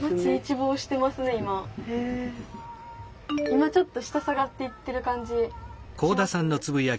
今ちょっと下下がっていってる感じします？